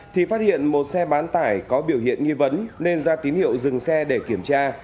thì phát hiện một xe bán tải có biểu hiện nghi vấn nên ra tín hiệu dừng xe để kiểm tra